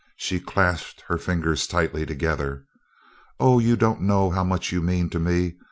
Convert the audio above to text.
She clasped her fingers tightly together: "Oh, you don't know how much you mean to me!